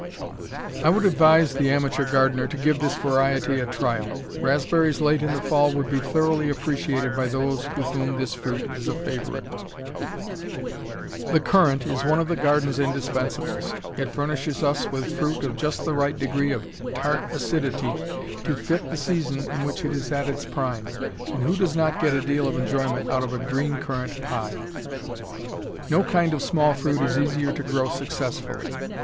I would advise the amateur gardener to give this variety a trial. Raspberries late in the fall would be thoroughly appreciated by those with whom this fruit is a favorite. The currant is one of the garden's indispensables. It furnishes us with fruit of just the right degree of tart acidity to fit the season in which it is at its prime, and who does not get a deal of enjoyment out of a green currant pie? No kind of small fruit is easier to grow successfully.